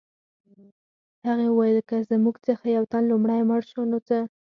هغې وویل که زموږ څخه یو تن لومړی مړ شو نو څه